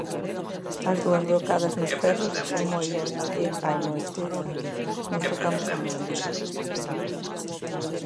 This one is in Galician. as dúas brocadas nos ferros, por moi ben que anoiteza, non tocamos a nada.